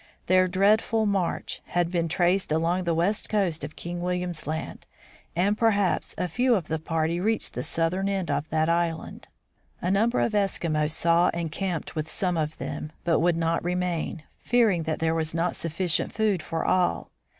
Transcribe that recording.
Their dreadful march has been traced along the western coast of King William's Land, and perhaps a few of the party reached the southern end of that island. A number of Eskimos saw and camped with some of them, but would not remain, fearing that there was not sufficient food for all.